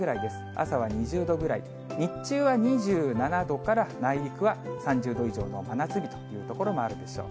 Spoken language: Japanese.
朝は２０度ぐらい、日中は２７度から、内陸は３０度以上の真夏日という所もあるでしょう。